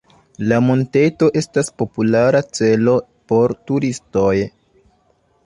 La monteto estas populara celo por turistoj.